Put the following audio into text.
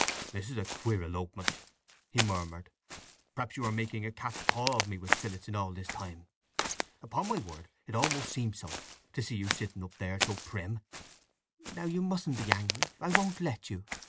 "This is a queer elopement!" he murmured. "Perhaps you are making a cat's paw of me with Phillotson all this time. Upon my word it almost seems so—to see you sitting up there so prim!" "Now you mustn't be angry—I won't let you!"